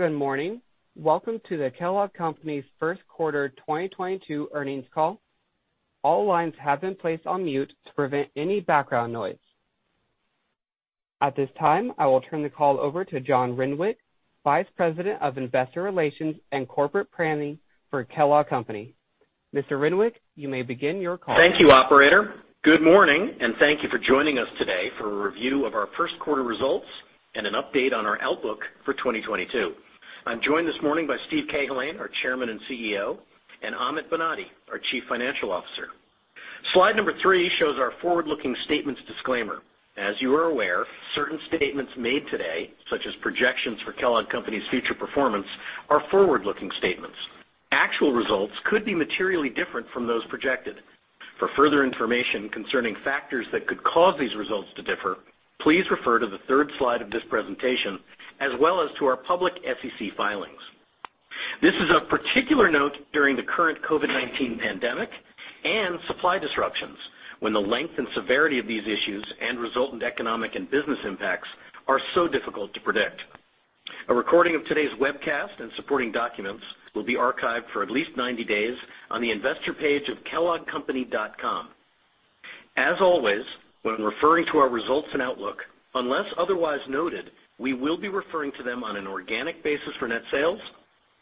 Good morning. Welcome to the Kellogg's Q1 2022 earnings call. All lines have been placed on mute to prevent any background noise. At this time, I will turn the call over to John Renwick, Vice President of Investor Relations and Corporate Planning for Kellanova. Mr. Renwick, you may begin your call. Thank you, operator. Good morning and thank you for joining us today for a review of our Q1 results and an update on our outlook for 2022. I'm joined this morning by Steve Cahillane, our Chairman and CEO, and Amit Banati, our Chief Financial Officer. Slide number 3 shows our forward-looking statements disclaimer. As you are aware, certain statements made today, such as projections for Kellogg's future performance, are forward-looking statements. Actual results could be materially different from those projected. For further information concerning factors that could cause these results to differ, please refer to the third slide of this presentation, as well as to our public SEC filings. This is of particular note during the current COVID-19 pandemic and supply disruptions when the length and severity of these issues and resultant economic and business impacts are so difficult to predict. A recording of today's webcast and supporting documents will be archived for at least 90 days on the investor page of kelloggcompany.com. As always, when referring to our results and outlook, unless otherwise noted, we will be referring to them on an organic basis for net sales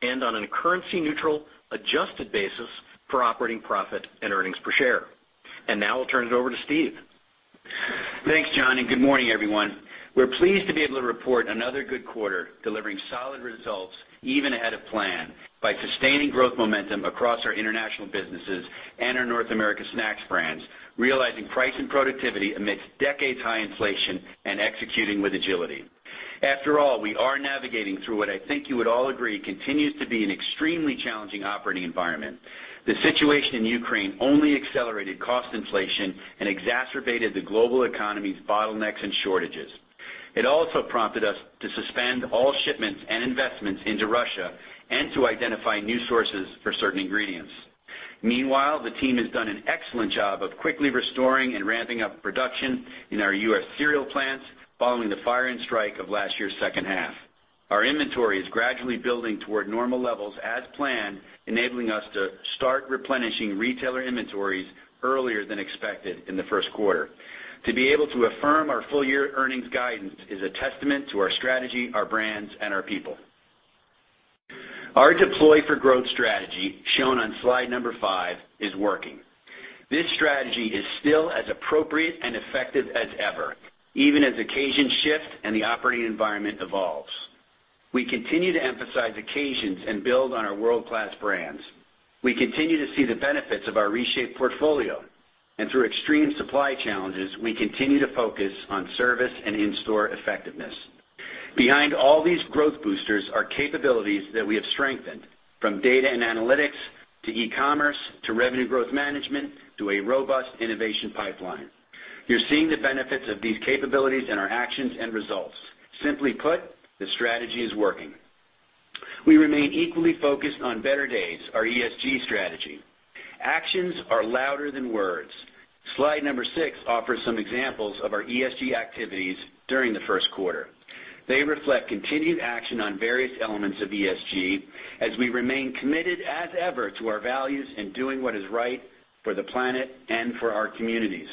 and on a currency neutral adjusted basis for operating profit and earnings per share. Now I'll turn it over to Steve. Thanks, John, and good morning, everyone. We're pleased to be able to report another good quarter, delivering solid results even ahead of plan by sustaining growth momentum across our international businesses and our North American snacks brands, realizing price and productivity amidst decades-high inflation and executing with agility. After all, we are navigating through what I think you would all agree continues to be an extremely challenging operating environment. The situation in Ukraine only accelerated cost inflation and exacerbated the global economy's bottlenecks and shortages. It also prompted us to suspend all shipments and investments into Russia and to identify new sources for certain ingredients. Meanwhile, the team has done an excellent job of quickly restoring and ramping up production in our U.S. cereal plants following the fire and strike of last year's H2. Our inventory is gradually building toward normal levels as planned, enabling us to start replenishing retailer inventories earlier than expected in the Q1. To be able to affirm our full year earnings guidance is a testament to our strategy, our brands, and our people. Our Deploy for Growth strategy, shown on slide number five, is working. This strategy is still as appropriate and effective as ever, even as occasions shift and the operating environment evolves. We continue to emphasize occasions and build on our world-class brands. We continue to see the benefits of our reshaped portfolio, and through extreme supply challenges, we continue to focus on service and in-store effectiveness. Behind all these growth boosters are capabilities that we have strengthened, from data and analytics to e-commerce, to revenue growth management, to a robust innovation pipeline. You're seeing the benefits of these capabilities in our actions and results. Simply put, the strategy is working. We remain equally focused on Better Days, our ESG strategy. Actions are louder than words. Slide number 6 offers some examples of our ESG activities during the Q1. They reflect continued action on various elements of ESG as we remain committed as ever to our values in doing what is right for the planet and for our communities.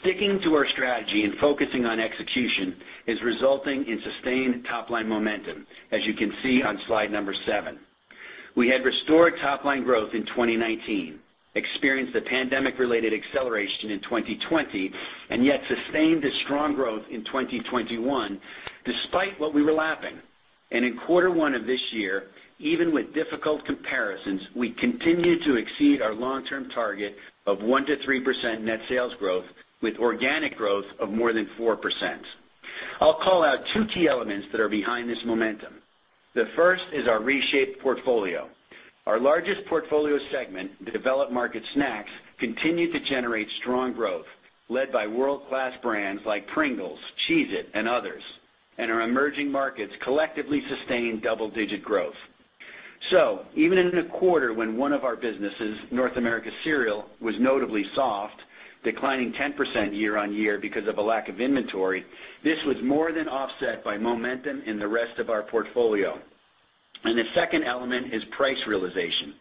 Sticking to our strategy and focusing on execution is resulting in sustained top line momentum, as you can see on slide number 7. We had restored top line growth in 2019, experienced a pandemic-related acceleration in 2020, and yet sustained a strong growth in 2021 despite what we were lapping. In quarter one of this year, even with difficult comparisons, we continued to exceed our long-term target of 1 to 3% net sales growth with organic growth of more than 4%. I'll call out two key elements that are behind this momentum. The first is our reshaped portfolio. Our largest portfolio segment, the developed market snacks, continued to generate strong growth led by world-class brands like Pringles, Cheez-It, and others, and our emerging markets collectively sustained double-digit growth. Even in a quarter when one of our businesses, North America Cereal, was notably soft, declining 10% year-on-year because of a lack of inventory, this was more than offset by momentum in the rest of our portfolio. The second element is price realization.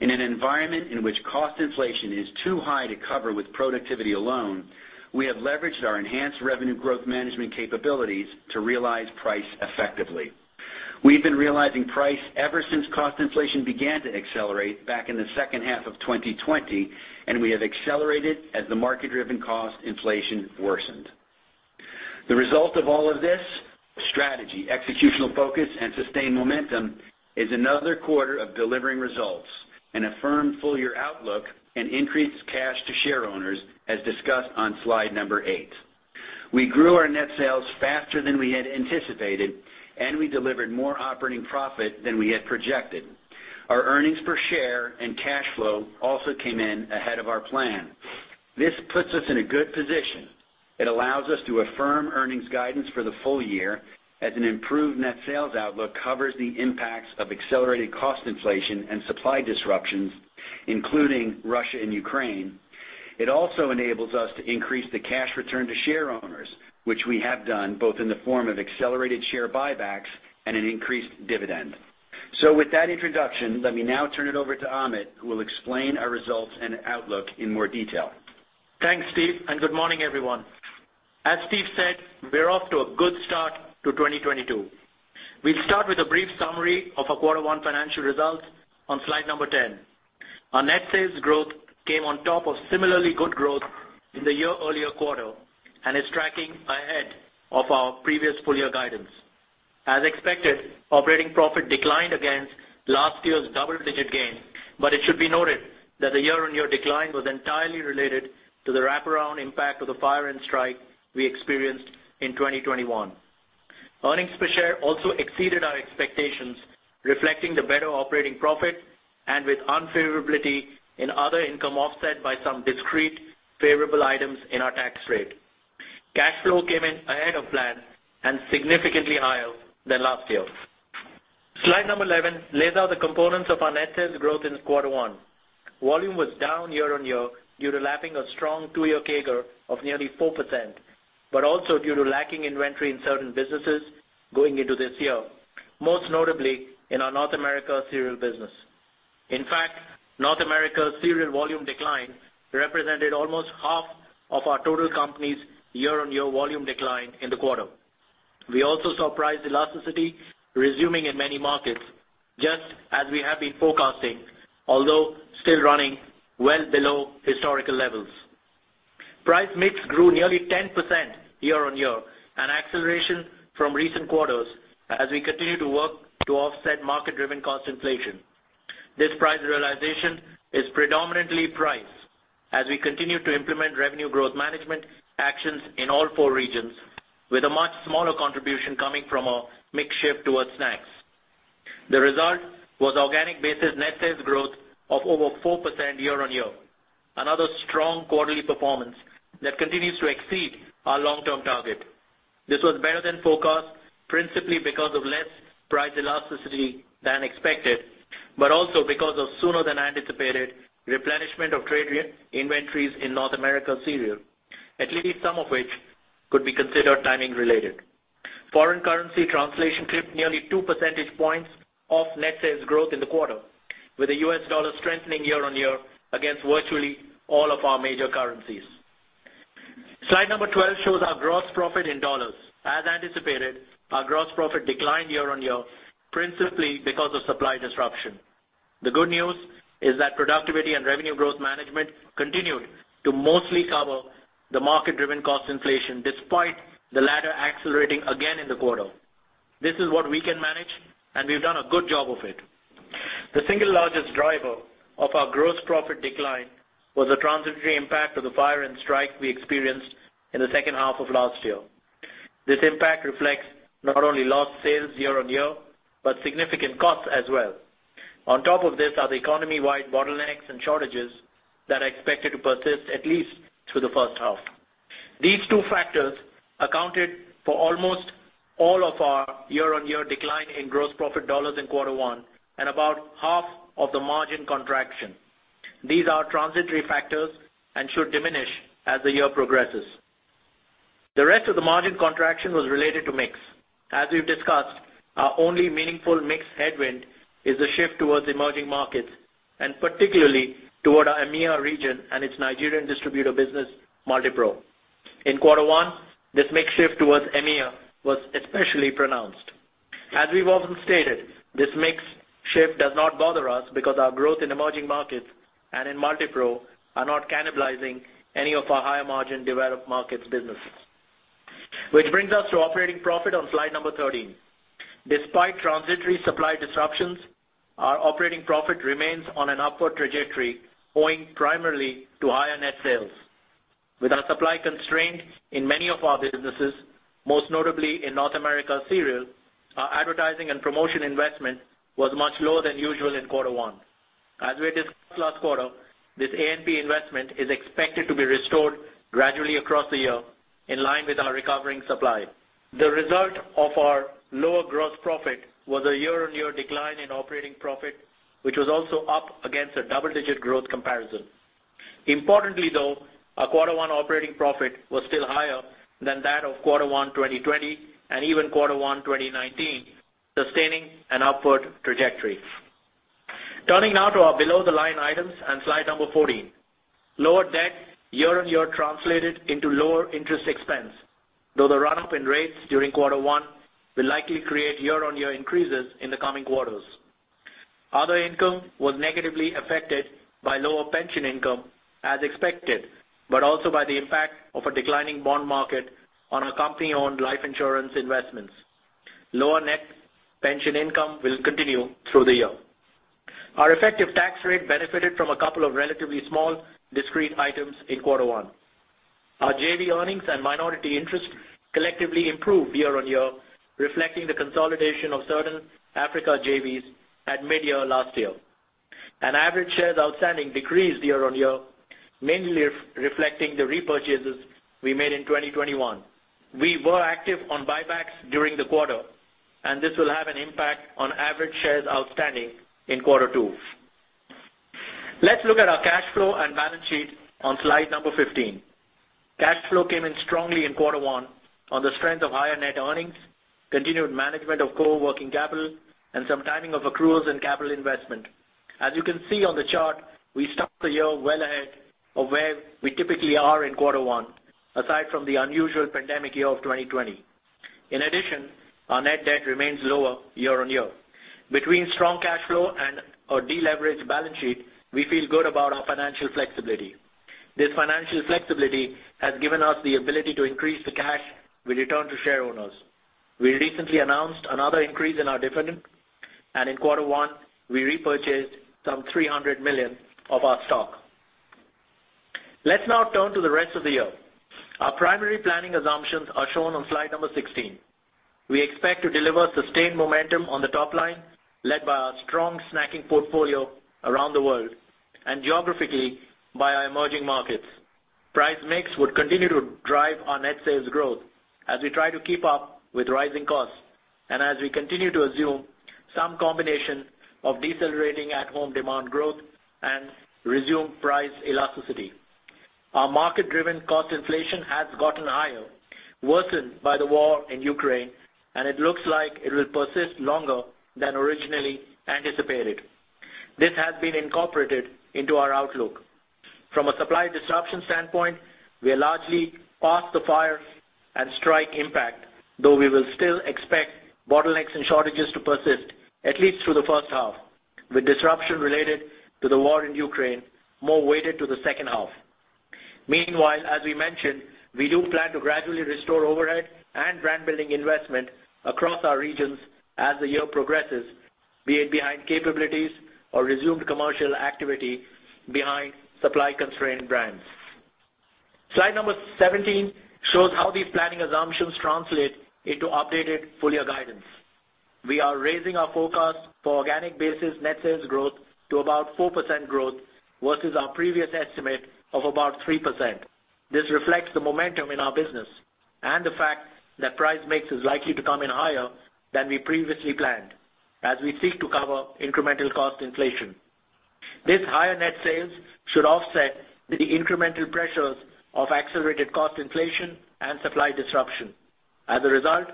In an environment in which cost inflation is too high to cover with productivity alone, we have leveraged our enhanced revenue growth management capabilities to realize price effectively. We've been realizing price ever since cost inflation began to accelerate back in the H2 of 2020, and we have accelerated as the market-driven cost inflation worsened. The result of all of this strategy, executional focus, and sustained momentum is another quarter of delivering results and a firm full year outlook and increased cash to shareowners as discussed on slide number 8. We grew our net sales faster than we had anticipated, and we delivered more operating profit than we had projected. Our earnings per share and cash flow also came in ahead of our plan. This puts us in a good position. It allows us to affirm earnings guidance for the full year as an improved net sales outlook covers the impacts of accelerated cost inflation and supply disruptions, including Russia and Ukraine. It also enables us to increase the cash return to shareowners, which we have done both in the form of accelerated share buybacks and an increased dividend. With that introduction, let me now turn it over to Amit, who will explain our results and outlook in more detail. Thanks, Steve, and good morning, everyone. As Steve said, we're off to a good start to 2022. We start with a brief summary of our quarter one financial results on slide number 10. Our net sales growth came on top of similarly good growth in the year-earlier quarter and is tracking ahead of our previous full year guidance. As expected, operating profit declined against last year's double-digit gain, but it should be noted that the year-on-year decline was entirely related to the wraparound impact of the fire and strike we experienced in 2021. Earnings per share also exceeded our expectations, reflecting the better operating profit and with unfavorability in other income offset by some discrete favorable items in our tax rate. Cash flow came in ahead of plan and significantly higher than last year. Slide number 11 lays out the components of our net sales growth in quarter one. Volume was down year-on-year due to lapping a strong two-year CAGR of nearly 4%, but also due to lacking inventory in certain businesses going into this year, most notably in our North America cereal business. In fact, North America cereal volume decline represented almost half of our total company's year-on-year volume decline in the quarter. We also saw price elasticity resuming in many markets, just as we have been forecasting, although still running well below historical levels. Price mix grew nearly 10% year-on-year, an acceleration from recent quarters as we continue to work to offset market-driven cost inflation. This price realization is predominantly price as we continue to implement revenue growth management actions in all four regions, with a much smaller contribution coming from a mix shift towards snacks. The result was organic basis net sales growth of over 4% year-on-year, another strong quarterly performance that continues to exceed our long-term target. This was better than forecast principally because of less price elasticity than expected, but also because of sooner than anticipated replenishment of trade inventories in North America cereal, at least some of which could be considered timing related. Foreign currency translation trimmed nearly two percentage points of net sales growth in the quarter, with the US dollar strengthening year-on-year against virtually all of our major currencies. Slide number 12 shows our gross profit in dollars. As anticipated, our gross profit declined year-on-year principally because of supply disruption. The good news is that productivity and revenue growth management continued to mostly cover the market-driven cost inflation despite the latter accelerating again in the quarter. This is what we can manage, and we've done a good job of it. The single largest driver of our gross profit decline was the transitory impact of the fire and strike we experienced in the H2 of last year. This impact reflects not only lost sales year-over-year, but significant costs as well. On top of this are the economy-wide bottlenecks and shortages that are expected to persist at least through the H1. These two factors accounted for almost all of our year-over-year decline in gross profit dollars in quarter one and about half of the margin contraction. These are transitory factors and should diminish as the year progresses. The rest of the margin contraction was related to mix. As we've discussed, our only meaningful mix headwind is the shift towards emerging markets and particularly toward our EMEA region and its Nigerian distributor business, Multipro. In quarter one, this mix shift towards EMEA was especially pronounced. As we've often stated, this mix shift does not bother us because our growth in emerging markets and in Multipro are not cannibalizing any of our higher margin developed markets businesses. Which brings us to operating profit on slide number 13. Despite transitory supply disruptions, our operating profit remains on an upward trajectory owing primarily to higher net sales. With our supply constraint in many of our businesses, most notably in North America cereal, our advertising and promotion investment was much lower than usual in quarter one. As we discussed last quarter, this A&P investment is expected to be restored gradually across the year in line with our recovering supply. The result of our lower gross profit was a year-on-year decline in operating profit, which was also up against a double-digit growth comparison. Importantly, though, our quarter one operating profit was still higher than that of quarter one 2020 and even quarter one 2019, sustaining an upward trajectory. Turning now to our below-the-line items on slide number 14. Lower debt year-on-year translated into lower interest expense, though the run-up in rates during quarter one will likely create year-on-year increases in the coming quarters. Other income was negatively affected by lower pension income as expected, but also by the impact of a declining bond market on our company-owned life insurance investments. Lower net pension income will continue through the year. Our effective tax rate benefited from a couple of relatively small discrete items in quarter one. Our JV earnings and minority interest collectively improved year-on-year, reflecting the consolidation of certain Africa JVs at mid-year last year. Average shares outstanding decreased year-on-year, mainly reflecting the repurchases we made in 2021. We were active on buybacks during the quarter. This will have an impact on average shares outstanding in quarter 2. Let's look at our cash flow and balance sheet on slide number 15. Cash flow came in strongly in quarter 1 on the strength of higher net earnings, continued management of core working capital, and some timing of accruals and capital investment. As you can see on the chart, we start the year well ahead of where we typically are in quarter 1, aside from the unusual pandemic year of 2020. In addition, our net debt remains lower year-on-year. Between strong cash flow and our deleveraged balance sheet, we feel good about our financial flexibility. This financial flexibility has given us the ability to increase the cash we return to shareholders. We recently announced another increase in our dividend, and in quarter one, we repurchased $300 million of our stock. Let's now turn to the rest of the year. Our primary planning assumptions are shown on slide 16. We expect to deliver sustained momentum on the top line, led by our strong snacking portfolio around the world and geographically by our emerging markets. Price mix would continue to drive our net sales growth as we try to keep up with rising costs and as we continue to assume some combination of decelerating at-home demand growth and resume price elasticity. Our market-driven cost inflation has gotten higher, worsened by the war in Ukraine, and it looks like it will persist longer than originally anticipated. This has been incorporated into our outlook. From a supply disruption standpoint, we are largely past the fire and strike impact, though we will still expect bottlenecks and shortages to persist at least through the H1, with disruption related to the war in Ukraine more weighted to the H2. Meanwhile, as we mentioned, we do plan to gradually restore overhead and brand-building investment across our regions as the year progresses, be it behind capabilities or resumed commercial activity behind supply-constrained brands. Slide number 17 shows how these planning assumptions translate into updated full-year guidance. We are raising our forecast for organic basis net sales growth to about 4% growth versus our previous estimate of about 3%. This reflects the momentum in our business and the fact that price mix is likely to come in higher than we previously planned as we seek to cover incremental cost inflation. This higher net sales should offset the incremental pressures of accelerated cost inflation and supply disruption. As a result,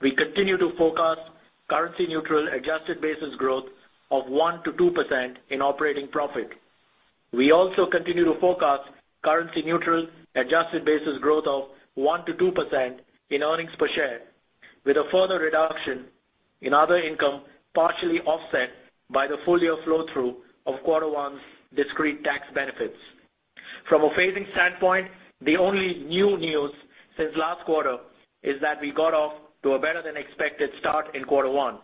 we continue to forecast currency-neutral adjusted basis growth of 1 to 2% in operating profit. We also continue to forecast currency-neutral adjusted basis growth of 1 to 2% in earnings per share, with a further reduction in other income partially offset by the full-year flow-through of quarter one's discrete tax benefits. From a phasing standpoint, the only new news since last quarter is that we got off to a better-than-expected start in quarter one,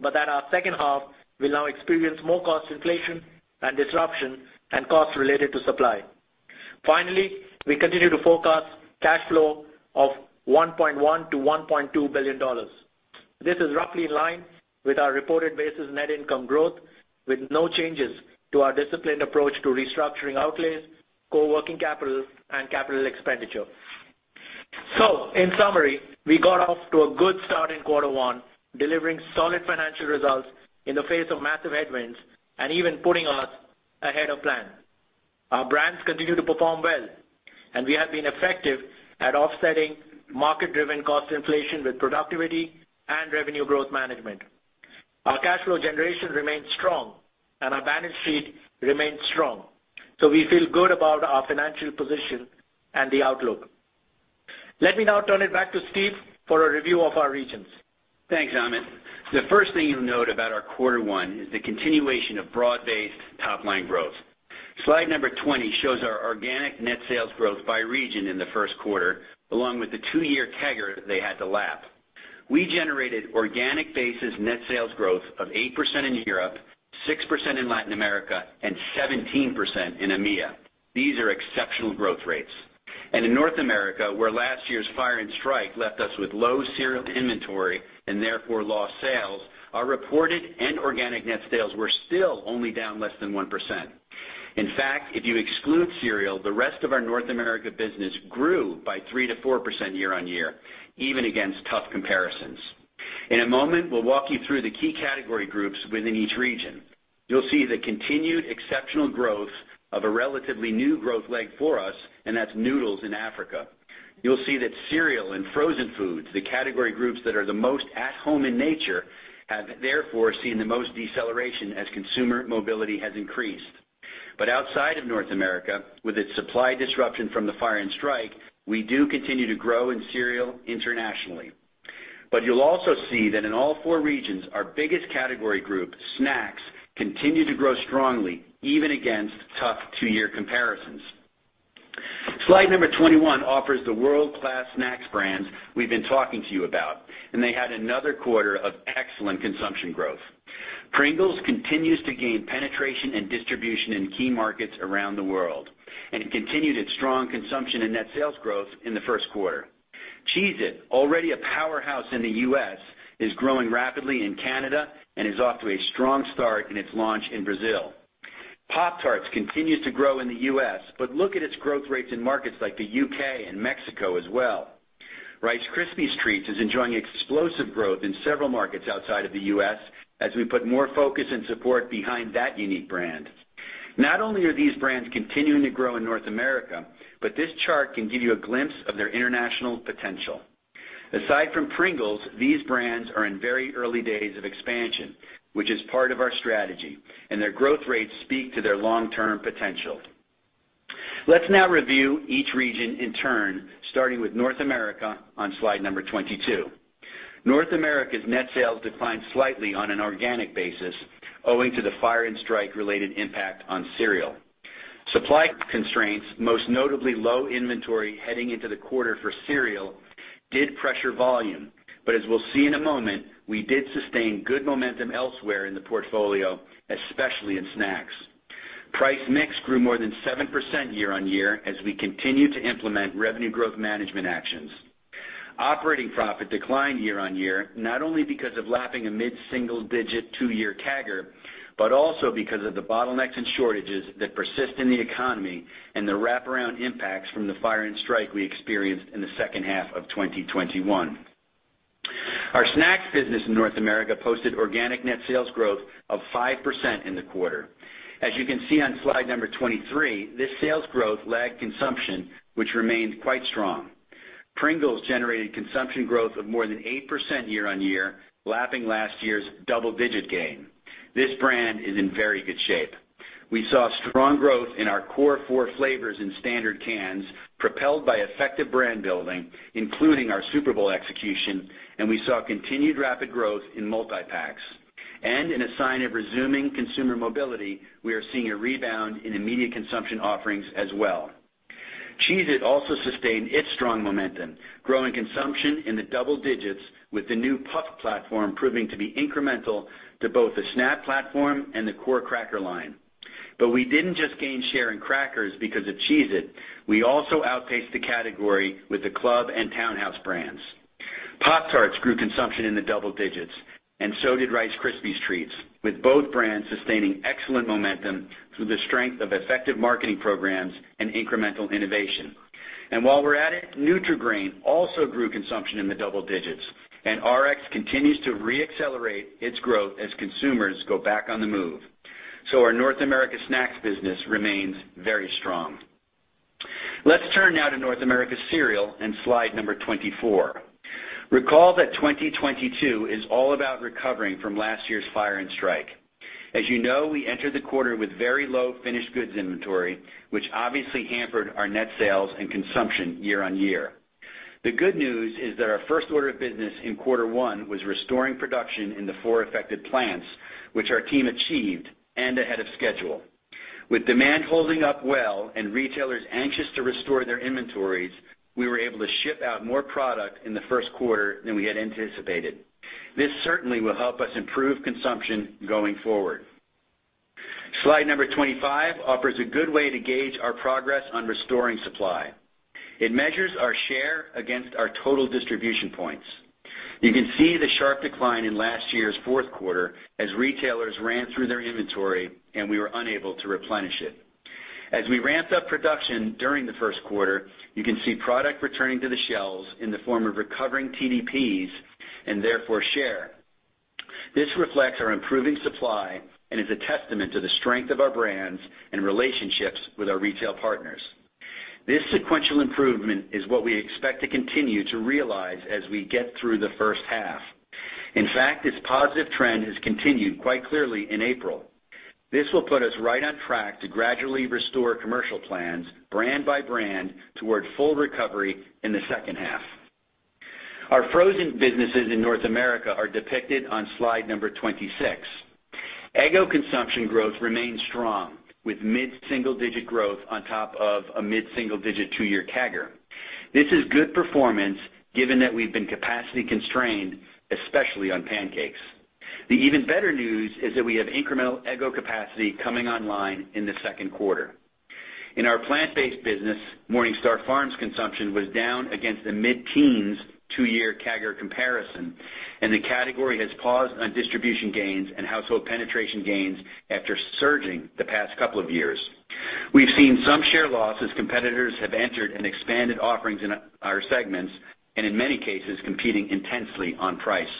but that our H2 will now experience more cost inflation and disruption and costs related to supply. Finally, we continue to forecast cash flow of $1.1 to 1.2 billion. This is roughly in line with our reported adjusted net income growth, with no changes to our disciplined approach to restructuring outlays, working capital, and capital expenditure. In summary, we got off to a good start in quarter one, delivering solid financial results in the face of massive headwinds and even putting us ahead of plan. Our brands continue to perform well, and we have been effective at offsetting market-driven cost inflation with productivity and revenue growth management. Our cash flow generation remains strong, and our balance sheet remains strong, so we feel good about our financial position and the outlook. Let me now turn it back to Steve for a review of our regions. Thanks, Amit. The first thing you'll note about our quarter one is the continuation of broad-based top-line growth. Slide number 20 shows our organic net sales growth by region in the Q1, along with the two-year CAGR they had to lap. We generated organic net sales growth of 8% in Europe, 6% in Latin America, and 17% in EMEA. These are exceptional growth rates. In North America, where last year's fire and strike left us with low cereal inventory and therefore lost sales, our reported and organic net sales were still only down less than 1%. In fact, if you exclude cereal, the rest of our North America business grew by 3 to 4% year-on-year, even against tough comparisons. In a moment, we'll walk you through the key category groups within each region. You'll see the continued exceptional growth of a relatively new growth leg for us, and that's noodles in Africa. You'll see that cereal and frozen foods, the category groups that are the most at-home in nature, have therefore seen the most deceleration as consumer mobility has increased. Outside of North America, with its supply disruption from the fire and strike, we do continue to grow in cereal internationally. You'll also see that in all four regions, our biggest category group, snacks, continue to grow strongly, even against tough two-year comparisons. Slide number 21 offers the world-class snacks brands we've been talking to you about, and they had another quarter of excellent consumption growth. Pringles continues to gain penetration and distribution in key markets around the world, and it continued its strong consumption and net sales growth in the Q1. Cheez-It, already a powerhouse in the U.S., is growing rapidly in Canada and is off to a strong start in its launch in Brazil. Pop-Tarts continues to grow in the U.S. but look at its growth rates in markets like the U.K. and Mexico as well. Rice Krispies Treats is enjoying explosive growth in several markets outside of the U.S. as we put more focus and support behind that unique brand. Not only are these brands continuing to grow in North America, but this chart can give you a glimpse of their international potential. Aside from Pringles, these brands are in very early days of expansion, which is part of our strategy, and their growth rates speak to their long-term potential. Let's now review each region in turn, starting with North America on slide number 22. North America's net sales declined slightly on an organic basis owing to the fire and strike related impact on cereal. Supply constraints, most notably low inventory heading into the quarter for cereal, did pressure volume. As we'll see in a moment, we did sustain good momentum elsewhere in the portfolio, especially in snacks. Price mix grew more than 7% year on year as we continue to implement revenue growth management actions. Operating profit declined year on year, not only because of lapping a mid-single digit two-year CAGR, but also because of the bottlenecks and shortages that persist in the economy and the wraparound impacts from the fire and strike we experienced in the H2 of 2021. Our snacks business in North America posted organic net sales growth of 5% in the quarter. As you can see on slide number 23, this sales growth lagged consumption, which remained quite strong. Pringles generated consumption growth of more than 8% year-on-year, lapping last year's double-digit gain. This brand is in very good shape. We saw strong growth in our core four flavors in standard cans, propelled by effective brand building, including our Super Bowl execution, and we saw continued rapid growth in multi-packs. In a sign of resuming consumer mobility, we are seeing a rebound in immediate consumption offerings as well. Cheez-It also sustained its strong momentum, growing consumption in the double digits with the new Puff platform proving to be incremental to both the Snap platform and the core cracker line. We didn't just gain share in crackers because of Cheez-It, we also outpaced the category with the Club and Town House brands. Pop-Tarts grew consumption in the double digits, and so did Rice Krispies Treats, with both brands sustaining excellent momentum through the strength of effective marketing programs and incremental innovation. While we're at it, Nutri-Grain also grew consumption in the double digits, and RX continues to re-accelerate its growth as consumers go back on the move. Our North America snacks business remains very strong. Let's turn now to North America cereal and slide number 24. Recall that 2022 is all about recovering from last year's fire and strike. As you know, we entered the quarter with very low finished goods inventory, which obviously hampered our net sales and consumption year-on-year. The good news is that our first order of business in quarter one was restoring production in the 4 affected plants, which our team achieved and ahead of schedule. With demand holding up well and retailers anxious to restore their inventories, we were able to ship out more product in the Q1 than we had anticipated. This certainly will help us improve consumption going forward. Slide number 25 offers a good way to gauge our progress on restoring supply. It measures our share against our total distribution points. You can see the sharp decline in last year's Q4 as retailers ran through their inventory and we were unable to replenish it. As we ramped up production during the Q1, you can see product returning to the shelves in the form of recovering TDPs and therefore share. This reflects our improving supply and is a testament to the strength of our brands and relationships with our retail partners. This sequential improvement is what we expect to continue to realize as we get through the H1. In fact, this positive trend has continued quite clearly in April. This will put us right on track to gradually restore commercial plans brand by brand toward full recovery in the H2. Our frozen businesses in North America are depicted on slide number 26. Eggo consumption growth remains strong, with mid-single-digit growth on top of a mid-single-digit two-year CAGR. This is good performance given that we've been capacity constrained, especially on pancakes. The even better news is that we have incremental Eggo capacity coming online in the Q2. In our plant-based business, MorningStar Farms consumption was down against the mid-teens two-year CAGR comparison, and the category has paused on distribution gains and household penetration gains after surging the past couple of years. We've seen some share loss as competitors have entered and expanded offerings in our segments, and in many cases, competing intensely on price.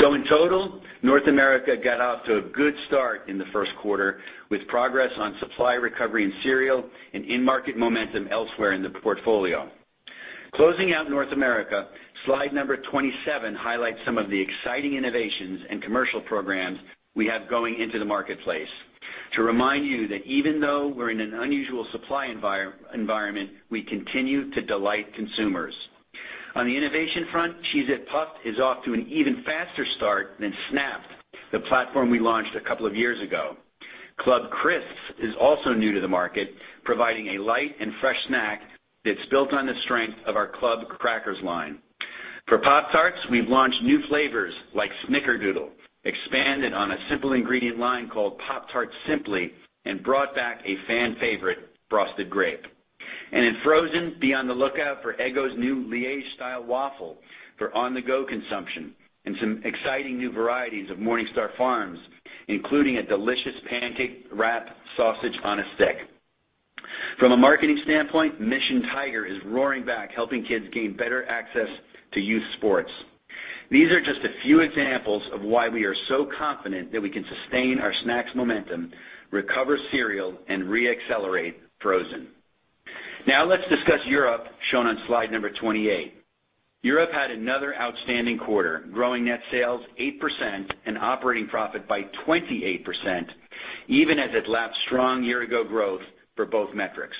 In total, North America got off to a good start in the Q1, with progress on supply recovery in cereal and in-market momentum elsewhere in the portfolio. Closing out North America, slide number 27 highlights some of the exciting innovations and commercial programs we have going into the marketplace to remind you that even though we're in an unusual supply environment, we continue to delight consumers. On the innovation front, Cheez-It Puff'd is off to an even faster start than Snap'd, the platform we launched a couple of years ago. Club Crisps is also new to the market, providing a light and fresh snack that's built on the strength of our Club crackers line. For Pop-Tarts, we've launched new flavors like Snickerdoodle, expanded on a simple ingredient line called Pop-Tarts Simply, and brought back a fan favorite, Frosted Grape. In frozen, be on the lookout for Eggo's new Liège-style waffle for on-the-go consumption and some exciting new varieties of MorningStar Farms, including a delicious pancake wrap sausage on a stick. From a marketing standpoint, Mission Tiger is roaring back, helping kids gain better access to youth sports. These are just a few examples of why we are so confident that we can sustain our snacks momentum, recover cereal, and re-accelerate frozen. Now let's discuss Europe, shown on slide number 28. Europe had another outstanding quarter, growing net sales 8% and operating profit by 28%, even as it lapped strong year-ago growth for both metrics.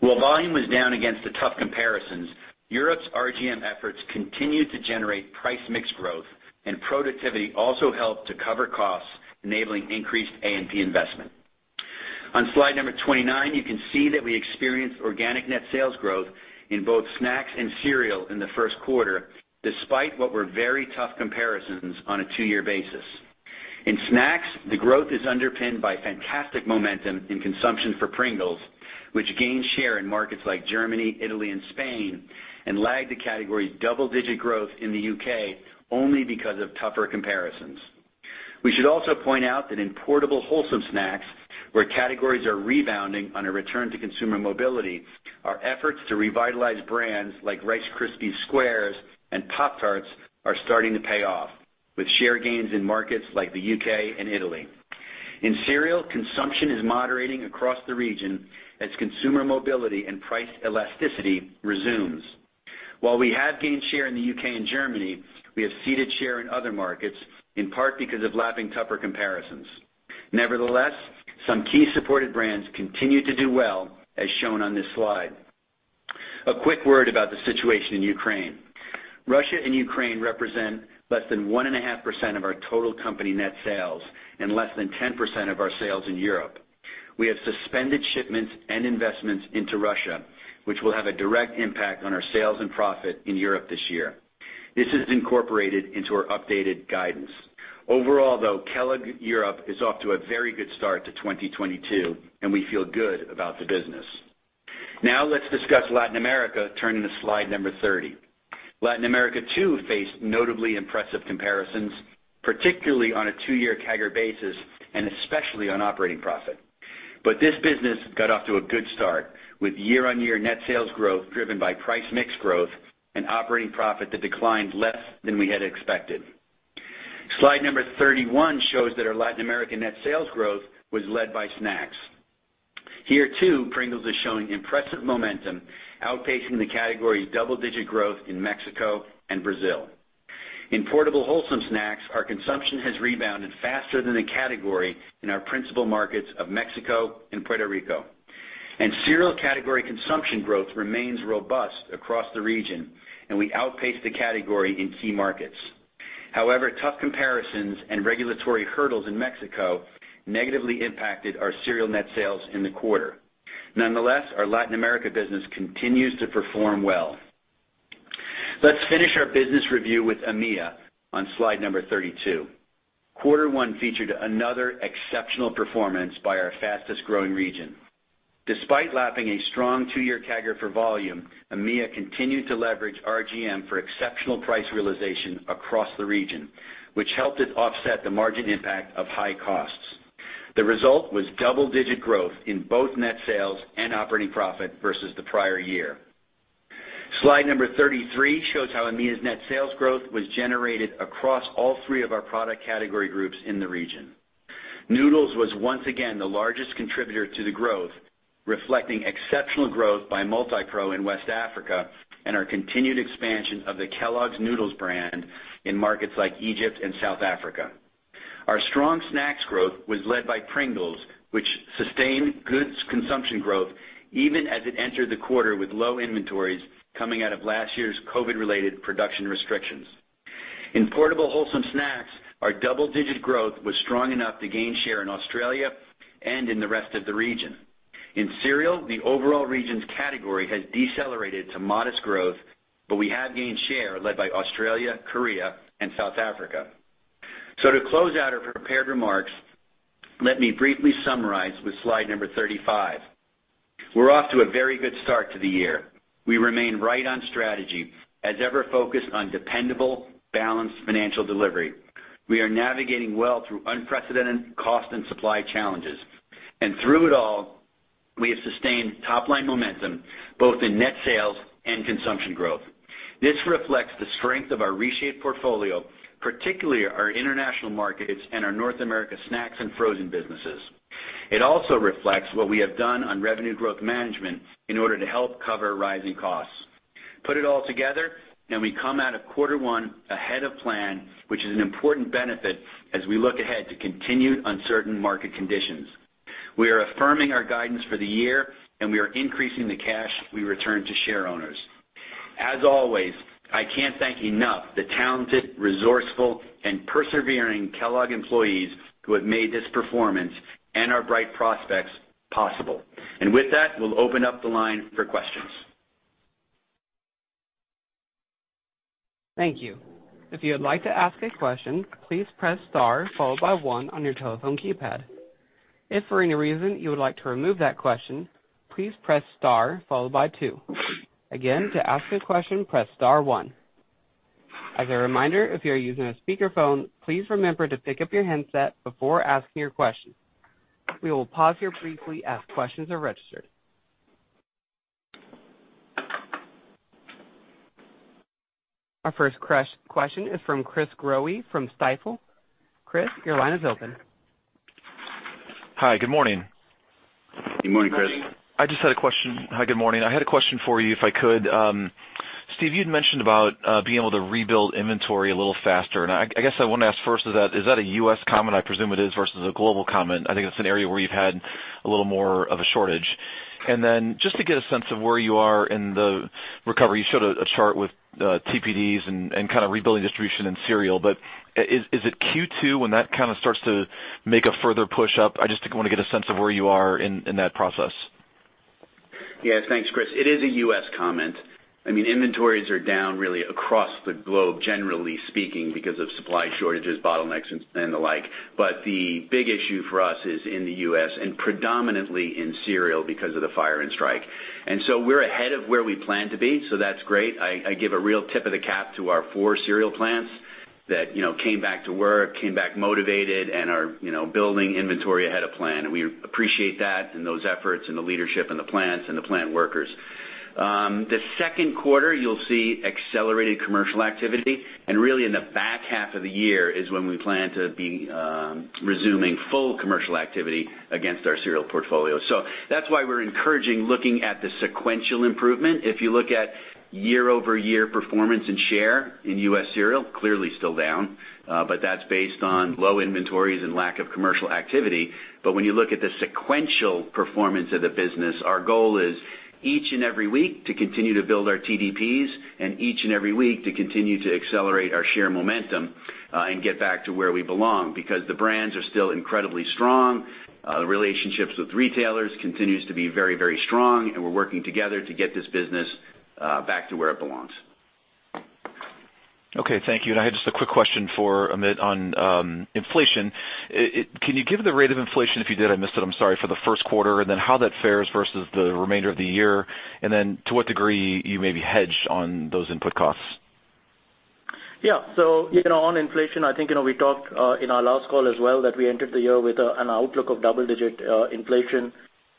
While volume was down against the tough comparisons, Europe's RGM efforts continued to generate price mix growth, and productivity also helped to cover costs, enabling increased A&P investment. On slide number 29, you can see that we experienced organic net sales growth in both snacks and cereal in the Q1, despite what were very tough comparisons on a two-year basis. In snacks, the growth is underpinned by fantastic momentum in consumption for Pringles, which gained share in markets like Germany, Italy and Spain, and lagged the category double-digit growth in the UK only because of tougher comparisons. We should also point out that in portable wholesome snacks, where categories are rebounding on a return to consumer mobility, our efforts to revitalize brands like Rice Krispies Squares and Pop-Tarts are starting to pay off with share gains in markets like the UK and Italy. In cereal, consumption is moderating across the region as consumer mobility and price elasticity resumes. While we have gained share in the UK and Germany, we have ceded share in other markets, in part because of lapping tougher comparisons. Nevertheless, some key supported brands continue to do well, as shown on this slide. A quick word about the situation in Ukraine. Russia and Ukraine represent less than 1.5% of our total company net sales and less than 10% of our sales in Europe. We have suspended shipments and investments into Russia, which will have a direct impact on our sales and profit in Europe this year. This is incorporated into our updated guidance. Overall, though, Kellogg Europe is off to a very good start to 2022, and we feel good about the business. Now let's discuss Latin America, turning to slide number 30. Latin America, too, faced notably impressive comparisons, particularly on a two-year CAGR basis and especially on operating profit. This business got off to a good start with year-on-year net sales growth driven by price mix growth and operating profit that declined less than we had expected. Slide number 31 shows that our Latin America net sales growth was led by snacks. Here too, Pringles is showing impressive momentum, outpacing the category's double-digit growth in Mexico and Brazil. In portable wholesome snacks, our consumption has rebounded faster than the category in our principal markets of Mexico and Puerto Rico. Cereal category consumption growth remains robust across the region, and we outpaced the category in key markets. However, tough comparisons and regulatory hurdles in Mexico negatively impacted our cereal net sales in the quarter. Nonetheless, our Latin America business continues to perform well. Let's finish our business review with EMEA on slide number 32. Quarter one featured another exceptional performance by our fastest-growing region. Despite lapping a strong 2-year CAGR for volume, EMEA continued to leverage RGM for exceptional price realization across the region, which helped it offset the margin impact of high costs. The result was double-digit growth in both net sales and operating profit versus the prior year. Slide number 33 shows how EMEA's net sales growth was generated across all three of our product category groups in the region. Noodles was once again the largest contributor to the growth, reflecting exceptional growth by Multipro in West Africa and our continued expansion of the Kellogg's Noodles brand in markets like Egypt and South Africa. Our strong snacks growth was led by Pringles, which sustained goods consumption growth even as it entered the quarter with low inventories coming out of last year's COVID-related production restrictions. In portable wholesome snacks, our double-digit growth was strong enough to gain share in Australia and in the rest of the region. In cereal, the overall region's category has decelerated to modest growth, but we have gained share led by Australia, Korea, and South Africa. To close out our prepared remarks, let me briefly summarize with slide number 35. We're off to a very good start to the year. We remain right on strategy as ever focused on dependable balanced financial delivery. We are navigating well through unprecedented cost and supply challenges. Through it all, we have sustained top line momentum both in net sales and consumption growth. This reflects the strength of our reshaped portfolio, particularly our international markets and our North America snacks and frozen businesses. It also reflects what we have done on revenue growth management in order to help cover rising costs. Put it all together, and we come out of quarter one ahead of plan, which is an important benefit as we look ahead to continued uncertain market conditions. We are affirming our guidance for the year, and we are increasing the cash we return to share owners. As always, I can't thank enough the talented, resourceful, and persevering Kellogg employees who have made this performance and our bright prospects possible. With that, we'll open up the line for questions. Thank you. If you would like to ask a question, please press star followed by one on your telephone keypad. If for any reason you would like to remove that question, please press star followed by two. Again, to ask a question, press star one. As a reminder, if you're using a speakerphone, please remember to pick up your handset before asking your question. We will pause here briefly as questions are registered. Our first question is from Chris Growe from Stifel. Chris, your line is open. Hi, good morning. Good morning, Chris. I just had a question. Hi, good morning. I had a question for you, if I could. Steve, you'd mentioned about being able to rebuild inventory a little faster, and I guess I wanna ask first, is that a U.S. comment? I presume it is, versus a global comment. I think it's an area where you've had a little more of a shortage. Just to get a sense of where you are in the recovery, you showed a chart with TDPs and kind a rebuilding distribution in cereal, but is it Q2 when that kind a starts to make a further push up? I just think I wanna get a sense of where you are in that process. Yes, thanks, Chris. It is a U.S. comment. I mean, inventories are down really across the globe, generally speaking, because of supply shortages, bottlenecks and the like. But the big issue for us is in the U.S., and predominantly in cereal because of the fire and strike. We're ahead of where we plan to be, so that's great. I give a real tip of the cap to our four cereal plants that, you know, came back to work, came back motivated and are, you know, building inventory ahead of plan. We appreciate that and those efforts and the leadership in the plants and the plant workers. The Q2, you'll see accelerated commercial activity. Really in the back half of the year is when we plan to be resuming full commercial activity against our cereal portfolio. That's why we're encouraging looking at the sequential improvement. If you look at year-over-year performance and share in U.S. cereal, clearly still down, but that's based on low inventories and lack of commercial activity. When you look at the sequential performance of the business, our goal is each and every week to continue to build our TDPs and each and every week to continue to accelerate our share momentum and get back to where we belong. Because the brands are still incredibly strong, the relationship with retailers continues to be very, very strong, and we're working together to get this business, back to where it belongs. Okay, thank you. I had just a quick question for Amit on inflation. Can you give the rate of inflation, if you did, I missed it, I'm sorry, for the Q1, and then how that fares versus the remainder of the year, and then to what degree you maybe hedged on those input costs? Yeah. You know, on inflation, I think, you know, we talked in our last call as well that we entered the year with an outlook of double-digit inflation.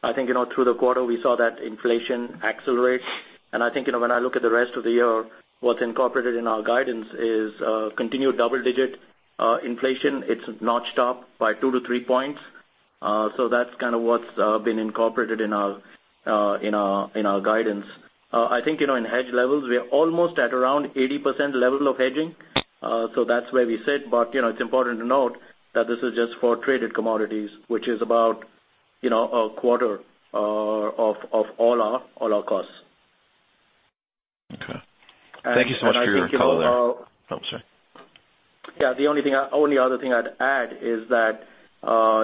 I think, you know, through the quarter, we saw that inflation accelerate. I think, you know, when I look at the rest of the year, what's incorporated in our guidance is continued double-digit inflation. It's notched up by 2 to 3 points. So that's kind a what's been incorporated in our guidance. I think, you know, in hedge levels, we are almost at around 80% level of hedging. So that's where we sit. You know, it's important to note that this is just for traded commodities, which is about, you know, a quarter of all our costs. Okay. Thank you so much for your color there. I think, you know, Oh, I'm sorry. The only other thing I'd add is that,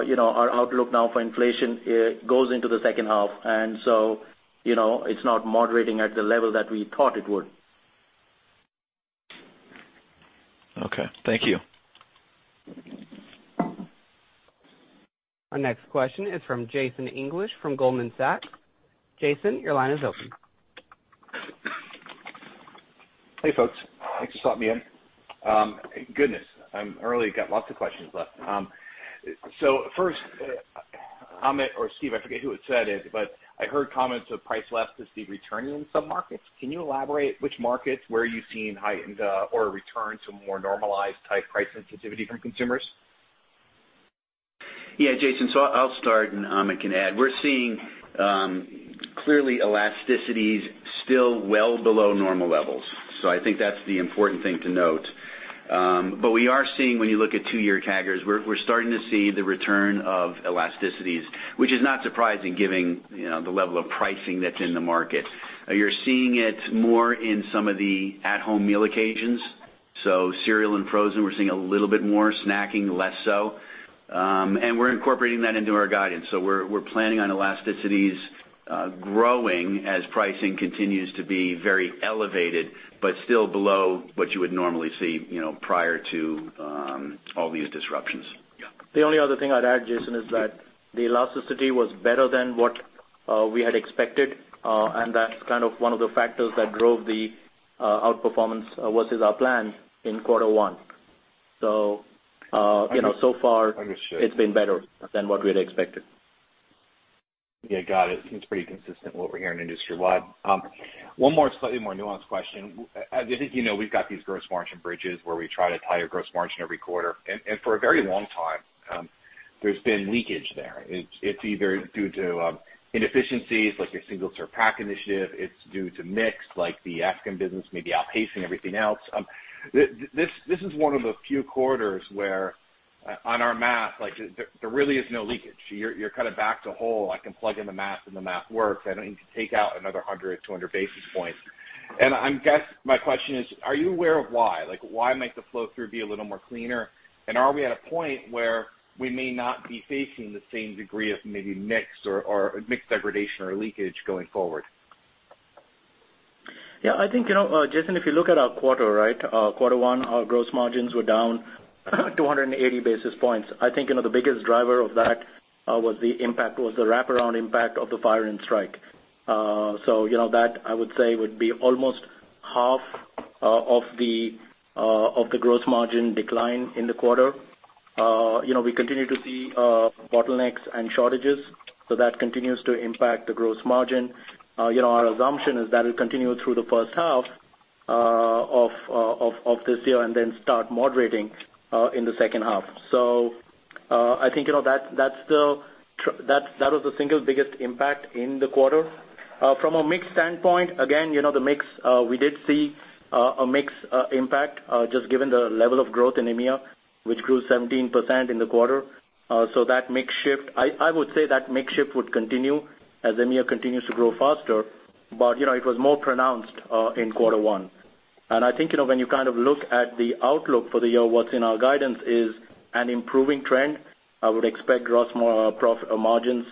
you know, our outlook now for inflation goes into the H2. You know, it's not moderating at the level that we thought it would. Okay. Thank you. Our next question is from Jason English from Goldman Sachs. Jason, your line is open. Hey, folks. Thanks for letting me in. Goodness, I'm early. Got lots of questions left. First, Amit or Steve, I forget who had said it, but I heard comments of price elasticity returning in some markets. Can you elaborate which markets, where are you seeing heightened, or a return to more normalized type price sensitivity from consumers? Yeah, Jason. I'll start, and Amit can add. We're seeing clearly elasticities still well below normal levels. I think that's the important thing to note. But we are seeing when you look at two-year TAGRs, we're starting to see the return of elasticities, which is not surprising given you know the level of pricing that's in the market. You're seeing it more in some of the at-home meal occasions. Cereal and frozen, we're seeing a little bit more. Snacking, less so. And we're incorporating that into our guidance. We're planning on elasticities growing as pricing continues to be very elevated, but still below what you would normally see you know prior to all these disruptions. The only other thing I'd add, Jason, is that the elasticity was better than what we had expected, and that's kind of one of the factors that drove the outperformance versus our plan in quarter one. You know, so far it's been better than what we had expected. Yeah, got it. Seems pretty consistent with what we're hearing industry wide. One more slightly more nuanced question. As you know, we've got these gross margin bridges where we try to tie your gross margin every quarter. For a very long time, there's been leakage there. It's either due to inefficiencies, like your single serve pack initiative. It's due to mix, like the African business may be outpacing everything else. This is one of the few quarters where on our math, like, there really is no leakage. You're kind a back to whole. I can plug in the math and the math works. I don't need to take out another 100, 200 basis points. I'm guessing my question is, are you aware of why? Like, why might the flow through be a little more cleaner? Are we at a point where we may not be facing the same degree of maybe mix or mix degradation or leakage going forward? Yeah, I think, you know, Jason, if you look at our quarter, right, quarter one, our gross margins were down 280 basis points. I think, you know, the biggest driver of that was the wraparound impact of the fire and strike. You know that, I would say, would be almost half of the gross margin decline in the quarter. You know, we continue to see bottlenecks and shortages, so that continues to impact the gross margin. You know, our assumption is that it continued through the H1 of this year and then start moderating in the H2. I think you know that was the single biggest impact in the quarter. From a mix standpoint, again, you know, the mix, we did see a mix impact just given the level of growth in EMEA, which grew 17% in the quarter. That mix shift, I would say that mix shift would continue as EMEA continues to grow faster, but, you know, it was more pronounced in quarter one. I think, you know, when you kind of look at the outlook for the year, what's in our guidance is an improving trend. I would expect gross profit margins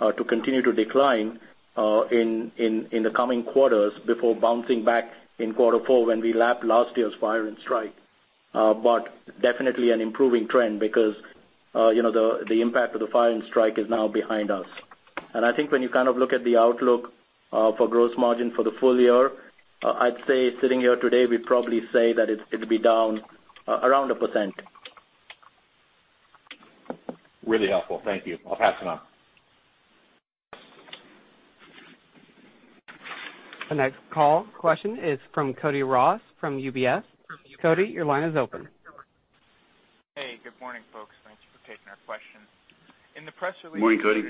to continue to decline in the coming quarters before bouncing back in quarter four when we lap last year's fire and strike. Definitely an improving trend because, you know, the impact of the fire and strike is now behind us. I think when you kind of look at the outlook for gross margin for the full year, I'd say sitting here today, we'd probably say that it's gonna be down around 1%. Really helpful. Thank you. I'll pass it on. The next call question is from Cody Ross from UBS. Cody, your line is open. Hey, good morning, folks. Thanks for taking our question. Good morning, Cody.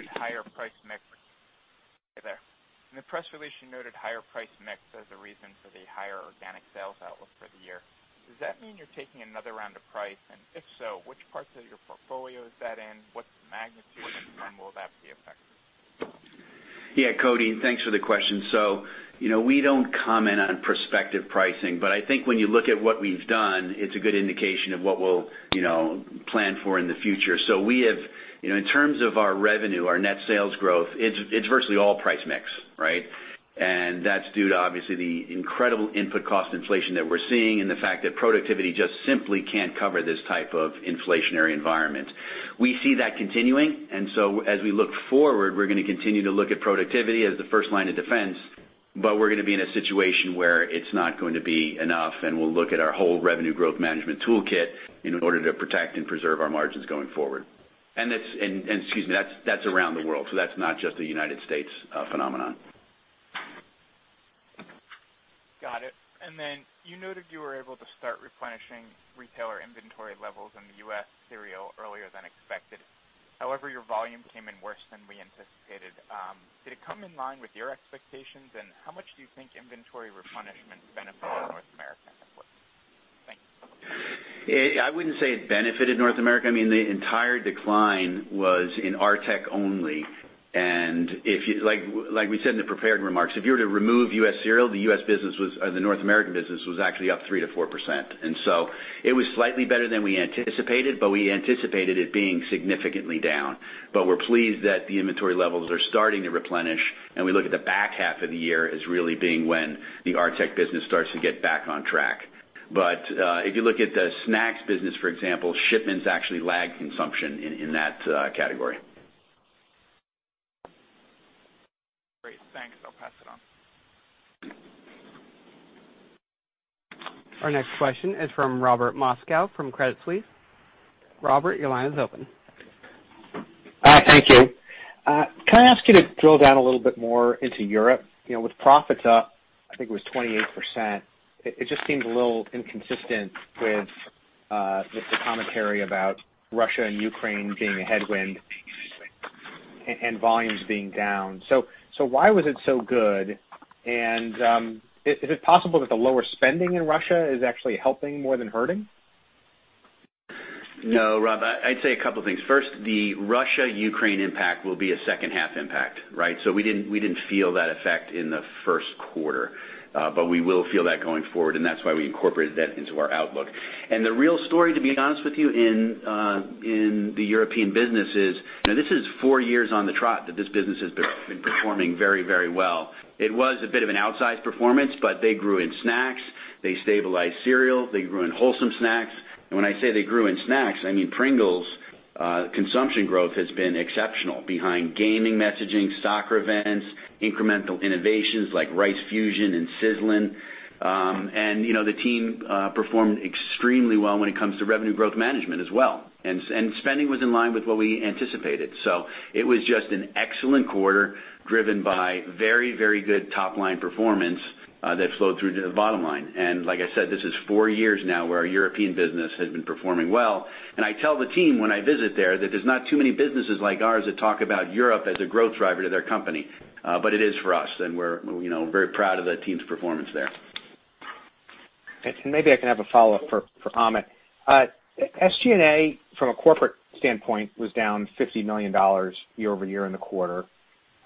In the press release, you noted higher price mix as a reason for the higher organic sales outlook for the year. Does that mean you're taking another round of price, and if so, which parts of your portfolio is that in? What's the magnitude, and when will that be effective? Yeah, Cody, thanks for the question. You know, we don't comment on prospective pricing, but I think when you look at what we've done, it's a good indication of what we'll, you know, plan for in the future. We have, you know, in terms of our revenue, our net sales growth, it's virtually all price mix, right? That's due to obviously the incredible input cost inflation that we're seeing and the fact that productivity just simply can't cover this type of inflationary environment. We see that continuing, and so as we look forward, we're gonna continue to look at productivity as the first line of defense, but we're gonna be in a situation where it's not going to be enough, and we'll look at our whole revenue growth management toolkit in order to protect and preserve our margins going forward. Excuse me, that's around the world, so that's not just a United States phenomenon. Got it. Then you noted you were able to start replenishing retailer inventory levels in the US cereal earlier than expected. However, your volume came in worse than we anticipated. Did it come in line with your expectations, and how much do you think inventory replenishment benefited North America and imports? Thank you. I wouldn't say it benefited North America. I mean, the entire decline was in RTEC only. Like we said in the prepared remarks, if you were to remove U.S. cereal, the North American business was actually up 3 to 4%. It was slightly better than we anticipated, but we anticipated it being significantly down. We're pleased that the inventory levels are starting to replenish, and we look at the back half of the year as really being when the RTEC business starts to get back on track. If you look at the snacks business, for example, shipments actually lag consumption in that category. Great. Thanks. I'll pass it on. Our next question is from Robert Moskow from Credit Suisse. Robert, your line is open. Hi. Thank you. Can I ask you to drill down a little bit more into Europe? You know, with profits up, I think it was 28%, it just seems a little inconsistent with the commentary about Russia and Ukraine being a headwind and volumes being down. So why was it so good? And is it possible that the lower spending in Russia is actually helping more than hurting? No, Rob. I'd say a couple things. First, the Russia-Ukraine impact will be a H2 impact, right? We didn't feel that effect in the Q1, but we will feel that going forward, and that's why we incorporated that into our outlook. The real story, to be honest with you, in the European business is, now this is four years on the trot that this business has been performing very well. It was a bit of an outsized performance, but they grew in snacks, they stabilized cereal, they grew in wholesome snacks. When I say they grew in snacks, I mean Pringles consumption growth has been exceptional behind gaming messaging, soccer events, incremental innovations like Pringles Rice Fusion and Pringles Sizzlin'. You know, the team performed extremely well when it comes to revenue growth management as well. Spending was in line with what we anticipated. It was just an excellent quarter driven by very, very good top-line performance that flowed through to the bottom line. Like I said, this is four years now where our European business has been performing well. I tell the team when I visit there that there's not too many businesses like ours that talk about Europe as a growth driver to their company, but it is for us, and we're, you know, very proud of the team's performance there. Maybe I can have a follow-up for Amit. SG&A, from a corporate standpoint, was down $50 million year-over-year in the quarter.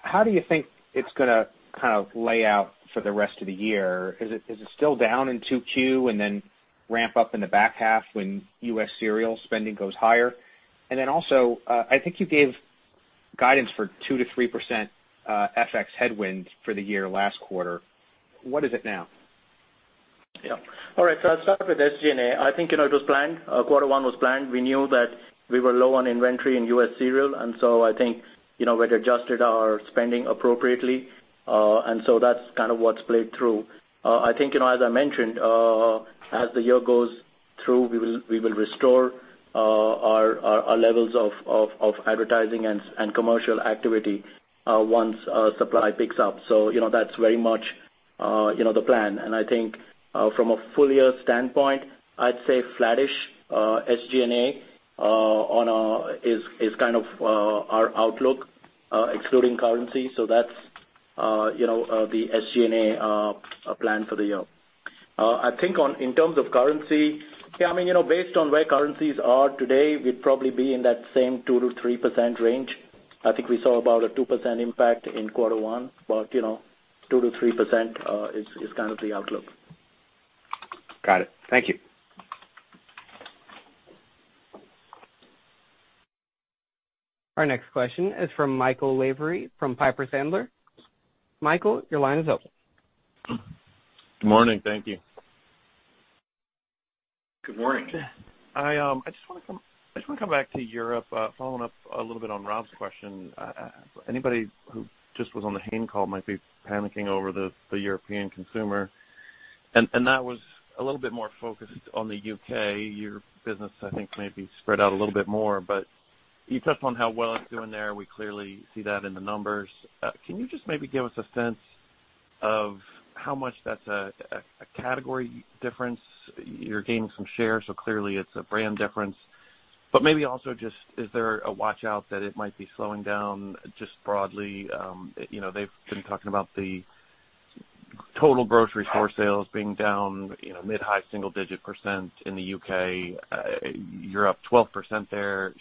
How do you think it's gonna kind of play out for the rest of the year? Is it still down in 2Q and then ramp up in the back half when U.S. cereal spending goes higher? And then also, I think you gave Guidance for 2 to 3% FX headwind for the year last quarter, what is it now? Yeah. All right, I'll start with SG&A. I think, you know, it was planned. Quarter one was planned. We knew that we were low on inventory in U.S. cereal, and I think, you know, we'd adjusted our spending appropriately. That's kind of what's played through. I think, you know, as I mentioned, as the year goes through, we will restore our levels of advertising and commercial activity once supply picks up. You know, that's very much you know the plan. I think, from a full year standpoint, I'd say flattish SG&A on our basis is kind of our outlook excluding currency. That's you know the SG&A plan for the year. I think in terms of currency, yeah, I mean, you know, based on where currencies are today, we'd probably be in that same 2 to 3% range. I think we saw about a 2% impact in quarter one, but, you know, 2 to 3% is kind of the outlook. Got it. Thank you. Our next question is from Michael Lavery, from Piper Sandler. Michael, your line is open. Good morning. Thank you. Good morning. I just wanna come back to Europe, following up a little bit on Rob's question. Anybody who just was on the Hain call might be panicking over the European consumer, and that was a little bit more focused on the U.K. Your business, I think, may be spread out a little bit more, but you touched on how well it's doing there. We clearly see that in the numbers. Can you just maybe give us a sense of how much that's a category difference? You're gaining some share, so clearly, it's a brand difference, but maybe also just, is there a watch-out that it might be slowing down just broadly? You know, they've been talking about the total grocery store sales being down, you know, mid- to high-single-digit% in the U.K. You're up 12% there.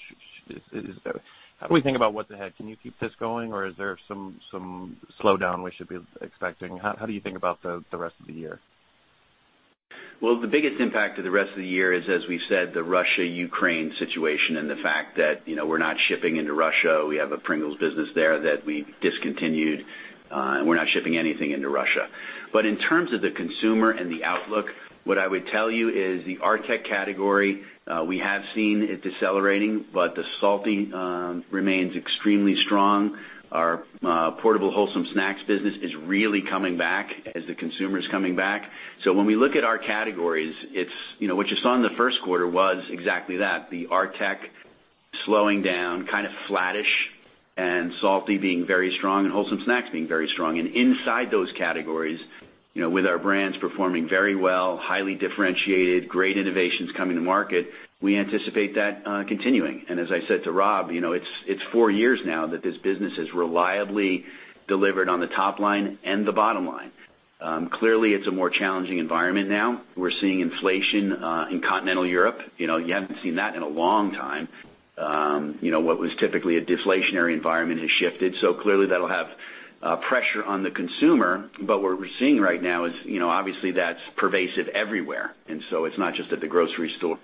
How do we think about what's ahead? Can you keep this going, or is there some slowdown we should be expecting? How do you think about the rest of the year? Well, the biggest impact to the rest of the year is, as we've said, the Russia-Ukraine situation and the fact that, you know, we're not shipping into Russia. We have a Pringles business there that we discontinued, and we're not shipping anything into Russia. In terms of the consumer and the outlook, what I would tell you is the RTEC category, we have seen it decelerating, but the salty remains extremely strong. Our portable wholesome snacks business is really coming back as the consumer is coming back. When we look at our categories, it's, you know, what you saw in the Q1 was exactly that. The RTEC slowing down, kind of flattish, and salty being very strong and wholesome snacks being very strong. Inside those categories, you know, with our brands performing very well, highly differentiated, great innovations coming to market, we anticipate that continuing. As I said to Rob, you know, it's four years now that this business has reliably delivered on the top line and the bottom line. Clearly, it's a more challenging environment now. We're seeing inflation in continental Europe. You know, you haven't seen that in a long time. You know, what was typically a deflationary environment has shifted, so clearly that'll have pressure on the consumer. What we're seeing right now is, you know, obviously that's pervasive everywhere, and so it's not just at the grocery store.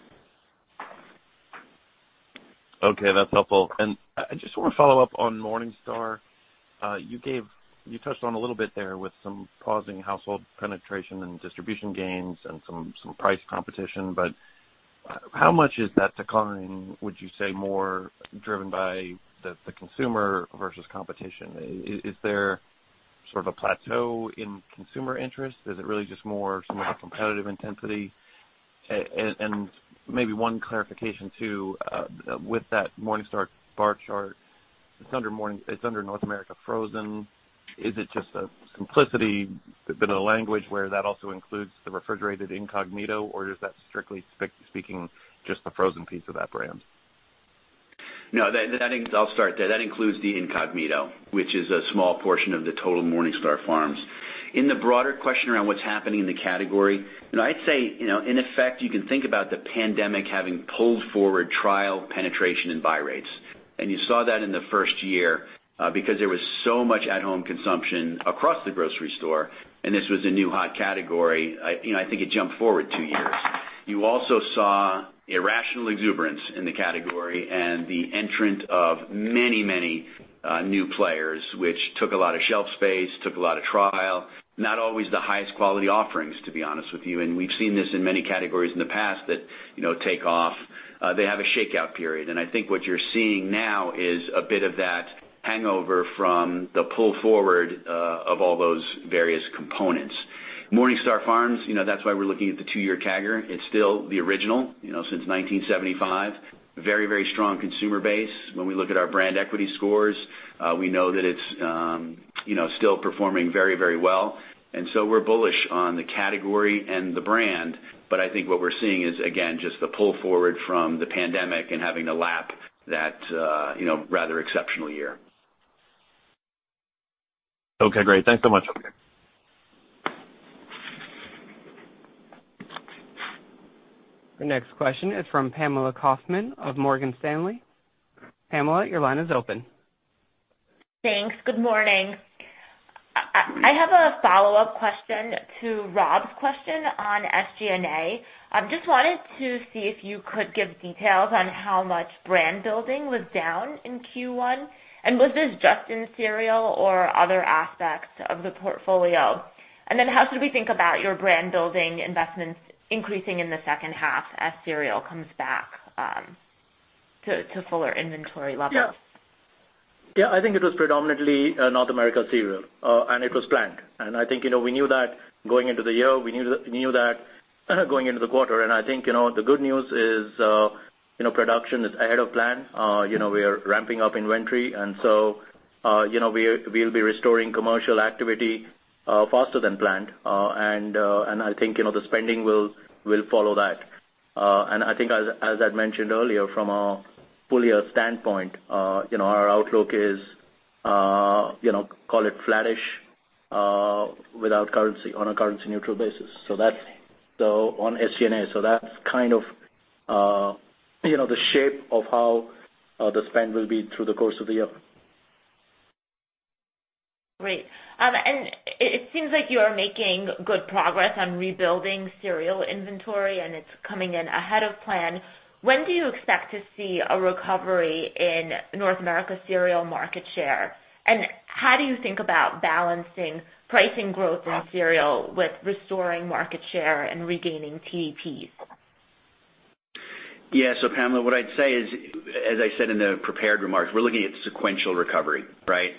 Okay, that's helpful. I just wanna follow up on MorningStar. You touched on a little bit there with some pausing household penetration and distribution gains and some price competition, but how much is that decline, would you say, more driven by the consumer versus competition? Is there sort of a plateau in consumer interest? Is it really just more some of the competitive intensity? Maybe one clarification too, with that MorningStar bar chart, it's under North America Frozen. Is it just a simplicity, the bit of the language where that also includes the refrigerated Incogmeato, or is that strictly speaking just the frozen piece of that brand? No, I'll start. That includes the Incogmeato, which is a small portion of the total MorningStar Farms. In the broader question around what's happening in the category, you know, I'd say, you know, in effect, you can think about the pandemic having pulled forward trial penetration and buy rates. You saw that in the first year, because there was so much at home consumption across the grocery store, and this was a new hot category. I, you know, I think it jumped forward two years. You also saw irrational exuberance in the category and the entry of many, many new players, which took a lot of shelf space, took a lot of trial, not always the highest quality offerings, to be honest with you. We've seen this in many categories in the past that, you know, take off. They have a shakeout period, and I think what you're seeing now is a bit of that hangover from the pull forward of all those various components. MorningStar Farms, you know, that's why we're looking at the two-year CAGR. It's still the original, you know, since 1975. Very, very strong consumer base. When we look at our brand equity scores, we know that it's, you know, still performing very, very well. We're bullish on the category and the brand, but I think what we're seeing is, again, just the pull forward from the pandemic and having to lap that, you know, rather exceptional year. Okay, great. Thanks so much. Okay. The next question is from Pamela Kaufman of Morgan Stanley. Pamela, your line is open. Thanks. Good morning. I have a follow-up question to Rob's question on SG&A. I just wanted to see if you could give details on how much brand building was down in Q1. Was this just in cereal or other aspects of the portfolio? Then how should we think about your brand building investments increasing in the H2 as cereal comes back to fuller inventory levels? Yeah. Yeah, I think it was predominantly North America Cereal, and it was planned. I think, you know, we knew that going into the year, we knew that going into the quarter. I think, you know, the good news is, you know, production is ahead of plan. You know, we are ramping up inventory. So, you know, we'll be restoring commercial activity faster than planned. And I think, you know, the spending will follow that. I think as I'd mentioned earlier, from a full year standpoint, you know, our outlook is, you know, call it flattish without currency on a currency neutral basis. So that's though on SG&A. That's kind of, you know, the shape of how the spend will be through the course of the year. Great. It seems like you're making good progress on rebuilding cereal inventory, and it's coming in ahead of plan. When do you expect to see a recovery in North America cereal market share? How do you think about balancing pricing growth in cereal with restoring market share and regaining TDPs? Yeah. Pamela Kaufman, what I'd say is, as I said in the prepared remarks, we're looking at sequential recovery, right?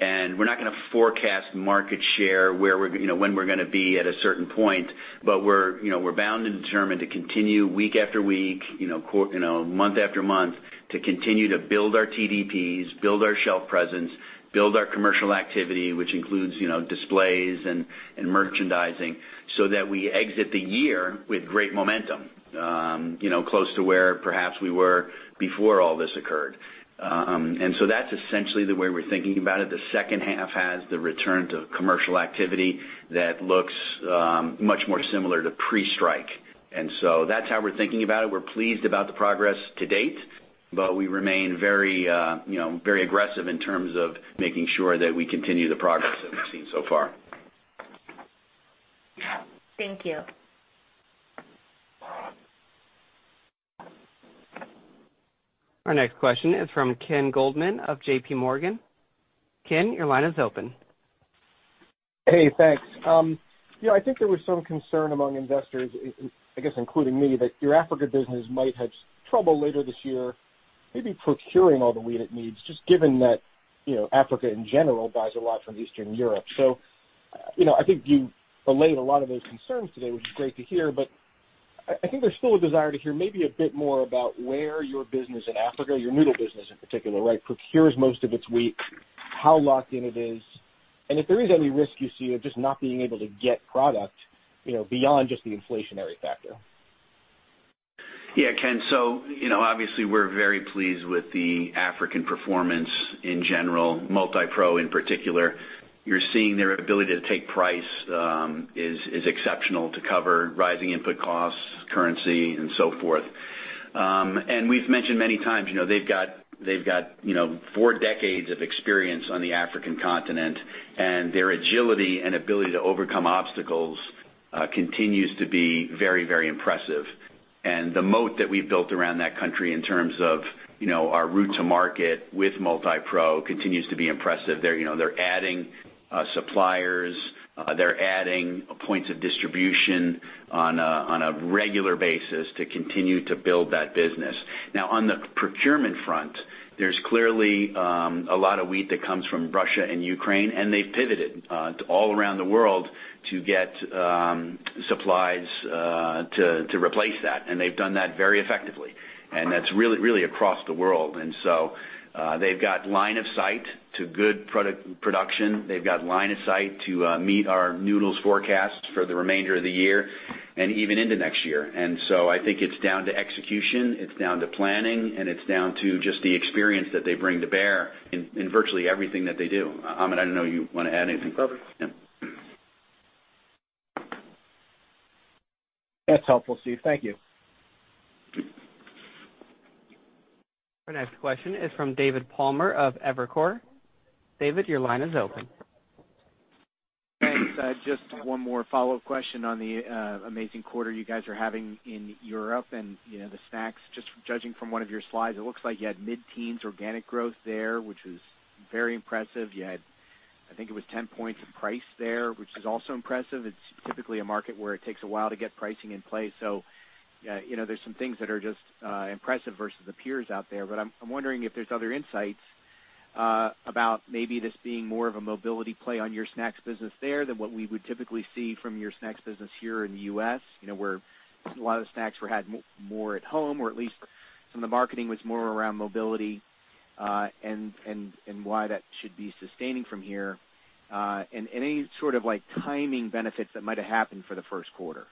We're not gonna forecast market share where we're, you know, when we're gonna be at a certain point, but we're, you know, we're bound and determined to continue week after week, you know, month after month, to continue to build our TDPs, build our shelf presence, build our commercial activity, which includes, you know, displays and merchandising, so that we exit the year with great momentum, you know, close to where perhaps we were before all this occurred. That's essentially the way we're thinking about it. The H2 has the return to commercial activity that looks much more similar to pre-strike. That's how we're thinking about it. We're pleased about the progress to date, but we remain very, you know, very aggressive in terms of making sure that we continue the progress that we've seen so far. Thank you. Our next question is from Ken Goldman of JPMorgan. Ken, your line is open. Hey, thanks. You know, I think there was some concern among investors, I guess, including me, that your Africa business might have trouble later this year, maybe procuring all the wheat it needs, just given that, you know, Africa in general buys a lot from Eastern Europe. You know, I think you relayed a lot of those concerns today, which is great to hear, but I think there's still a desire to hear maybe a bit more about where your business in Africa, your noodle business in particular, right, procures most of its wheat, how locked in it is, and if there is any risk you see of just not being able to get product, you know, beyond just the inflationary factor. Yeah, Ken. You know, obviously we're very pleased with the African performance in general, Multipro in particular. You're seeing their ability to take price is exceptional to cover rising input costs, currency and so forth. We've mentioned many times, you know, they've got four decades of experience on the African continent, and their agility and ability to overcome obstacles continues to be very, very impressive. The moat that we've built around that country in terms of, you know, our route to market with Multipro continues to be impressive. They're, you know, adding suppliers, they're adding points of distribution on a regular basis to continue to build that business. Now, on the procurement front, there's clearly a lot of wheat that comes from Russia and Ukraine, and they've pivoted to all around the world to get supplies to replace that. They've done that very effectively. That's really, really across the world. They've got line of sight to good product production. They've got line of sight to meet our noodles forecast for the remainder of the year and even into next year. I think it's down to execution, it's down to planning, and it's down to just the experience that they bring to bear in virtually everything that they do. Amit, I don't know if you wanna add anything. No. Yeah. That's helpful, Steve. Thank you. Our next question is from David Palmer of Evercore. David, your line is open. Thanks. Just one more follow-up question on the amazing quarter you guys are having in Europe and, you know, the snacks. Just judging from one of your slides, it looks like you had mid-teens organic growth there, which is very impressive. You had, I think it was 10 points in price there, which is also impressive. It's typically a market where it takes a while to get pricing in place. You know, there's some things that are just impressive versus the peers out there. I'm wondering if there's other insights about maybe this being more of a mobility play on your snacks business there than what we would typically see from your snacks business here in the US, you know, where a lot of the snacks were more at home, or at least some of the marketing was more around mobility, and why that should be sustaining from here, and any sort of, like, timing benefits that might have happened for the Q1.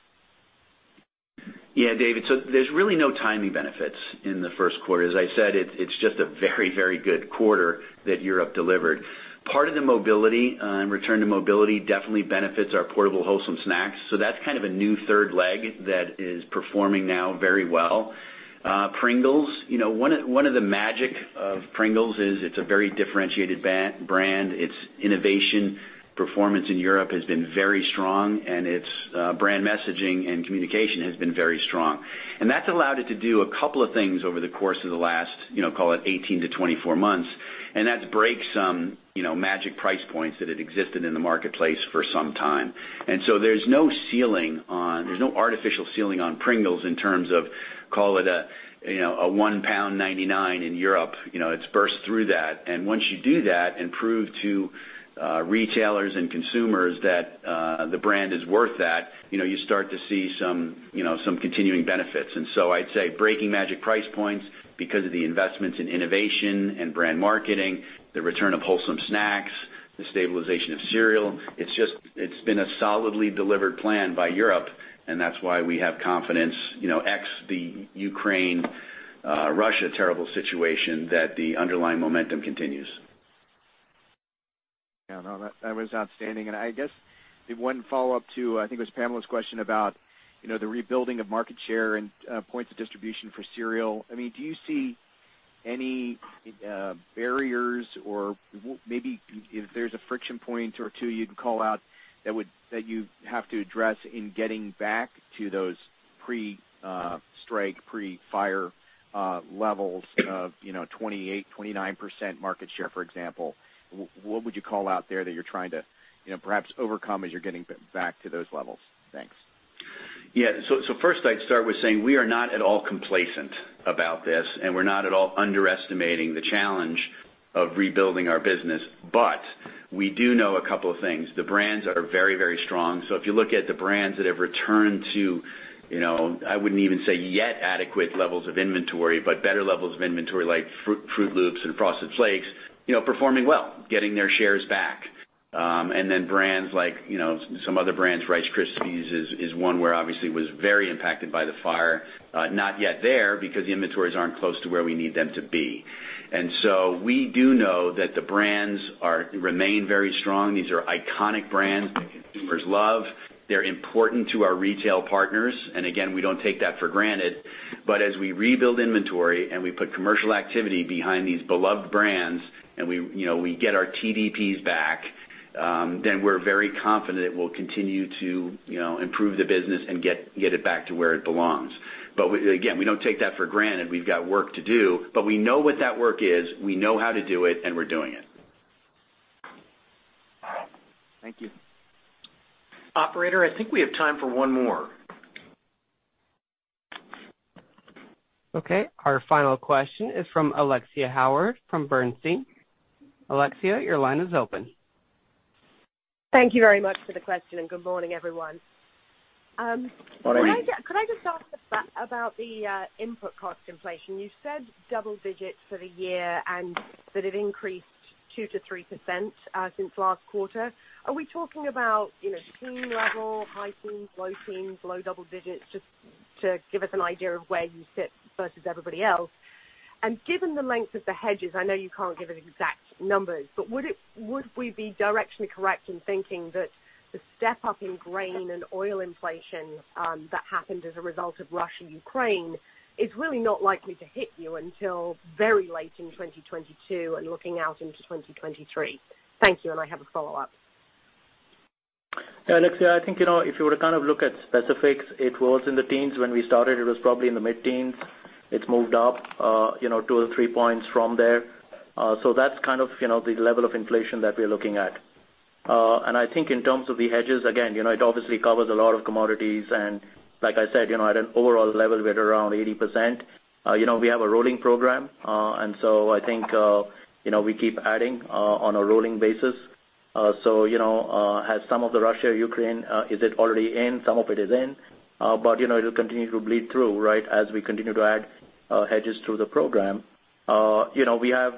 Yeah, David. There's really no timing benefits in the Q1. As I said, it's just a very good quarter that Europe delivered. Part of the mobility and return to mobility definitely benefits our portable wholesome snacks. That's kind of a new third leg that is performing now very well. Pringles, you know, one of the magic of Pringles is it's a very differentiated brand. Its innovation performance in Europe has been very strong, and its brand messaging and communication has been very strong. That's allowed it to do a couple of things over the course of the last, you know, call it 18 to 24 months, and that's broken some, you know, magic price points that had existed in the marketplace for some time. There's no artificial ceiling on Pringles in terms of, call it a, you know, a 1.99 pound in Europe. You know, it's burst through that. Once you do that and prove to retailers and consumers that the brand is worth that, you know, you start to see some, you know, some continuing benefits. I'd say breaking magic price points because of the investments in innovation and brand marketing, the return of wholesome snacks, the stabilization of cereal, it's just it's been a solidly delivered plan by Europe, and that's why we have confidence, you know, ex the Ukraine Russia terrible situation that the underlying momentum continues. Yeah, no, that was outstanding. I guess one follow-up to, I think it was Pamela's question about, you know, the rebuilding of market share and points of distribution for cereal. I mean, do you see any barriers or maybe if there's a friction point or two, you'd call out that you'd have to address in getting back to those pre-strike, pre-fire levels of, you know, 28%, 29% market share, for example. What would you call out there that you're trying to, you know, perhaps overcome as you're getting back to those levels? Thanks. Yeah. First I'd start with saying we are not at all complacent about this, and we're not at all underestimating the challenge of rebuilding our business. We do know a couple of things. The brands are very, very strong. If you look at the brands that have returned to, you know, I wouldn't even say yet adequate levels of inventory, but better levels of inventory like Froot Loops and Frosted Flakes, you know, performing well, getting their shares back. And then brands like, you know, some other brands, Rice Krispies is one where obviously was very impacted by the fire, not yet there because the inventories aren't close to where we need them to be. We do know that the brands remain very strong. These are iconic brands that consumers love. They're important to our retail partners. Again, we don't take that for granted. As we rebuild inventory and we put commercial activity behind these beloved brands and we, you know, get our TDPs back, then we're very confident we'll continue to, you know, improve the business and get it back to where it belongs. We again don't take that for granted. We've got work to do, but we know what that work is, we know how to do it, and we're doing it. Thank you. Operator, I think we have time for one more. Okay. Our final question is from Alexia Howard from Bernstein. Alexia, your line is open. Thank you very much for the question, and good morning, everyone. Morning. Could I just ask about the input cost inflation? You said double digits for the year and that it increased 2 to 3% since last quarter. Are we talking about, you know, teen level, high teens, low teens, low double digits, just to give us an idea of where you sit versus everybody else? Given the length of the hedges, I know you can't give us exact numbers, but would we be directionally correct in thinking that the step up in grain and oil inflation that happened as a result of Russia, Ukraine is really not likely to hit you until very late in 2022 and looking out into 2023? Thank you, and I have a follow-up. Yeah, Alexia, I think, you know, if you were to kind of look at specifics, it was in the teens when we started, it was probably in the mid-teens. It's moved up, you know, 2 or 3 points from there. That's kind of, you know, the level of inflation that we're looking at. I think in terms of the hedges, again, you know, it obviously covers a lot of commodities, and like I said, you know, at an overall level, we're at around 80%. You know, we have a rolling program, and so I think, you know, we keep adding on a rolling basis. You know, as some of the Russia, Ukraine, is it already in? Some of it is in. But you know, it'll continue to bleed through, right? As we continue to add hedges through the program. You know, we have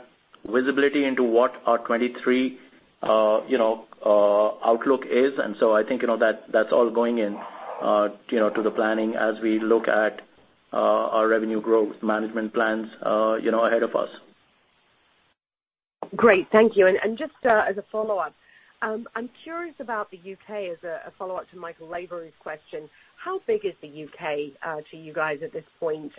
visibility into what our 2023 outlook is. I think, you know, that that's all going in to the planning as we look at our revenue growth management plans, you know, ahead of us. Great. Thank you. Just as a follow-up, I'm curious about the U.K. as a follow-up to Michael Lavery's question. How big is the U.K. to you guys at this point?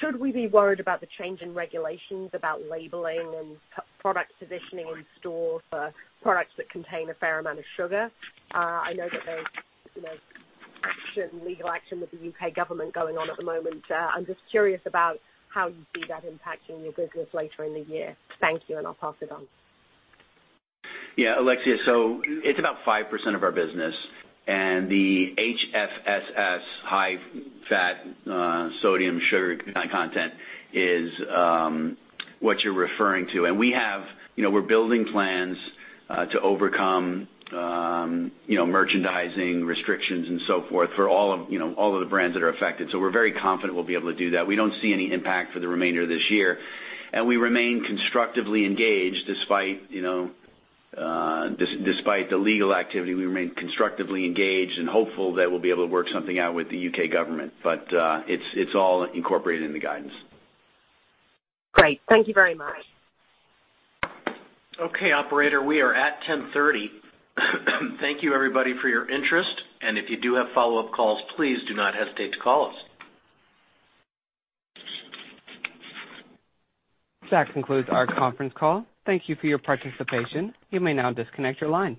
Should we be worried about the change in regulations about labeling and product positioning in store for products that contain a fair amount of sugar? I know that there's, you know, legal action with the U.K. government going on at the moment. I'm just curious about how you see that impacting your business later in the year. Thank you, and I'll pass it on. Yeah, Alexia Howard, it's about 5% of our business and the HFSS, high fat, sodium, sugar content is what you're referring to. We have, you know, we're building plans to overcome, you know, merchandising restrictions and so forth for all of the brands that are affected. We're very confident we'll be able to do that. We don't see any impact for the remainder of this year, and we remain constructively engaged despite, you know, the legal activity, we remain constructively engaged and hopeful that we'll be able to work something out with the U.K. government. It's all incorporated in the guidance. Great. Thank you very much. Okay, operator, we are at 10:30 A.M. Thank you everybody for your interest, and if you do have follow-up calls, please do not hesitate to call us. That concludes our conference call. Thank you for your participation. You may now disconnect your line.